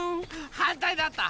はんたいだった。